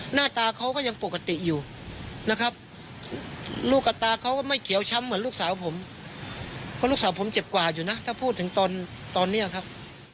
หน้าตาเขาก็ยังปกติอยู่นะครับลูกกับตาเขาก็ไม่เขียวช้ำเหมือนลูกสาวผมเพราะลูกสาวผมเจ็บกว่าอยู่นะถ้าพูดถึงตอนตอนนี้ครับ